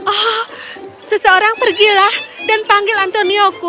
oh seseorang pergilah dan panggil antonioku